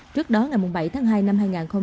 trước đó ngày bảy tháng hai năm hai nghìn hai mươi